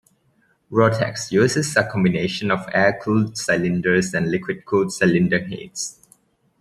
Rotax uses a combination of air-cooled cylinders and liquid-cooled cylinder heads.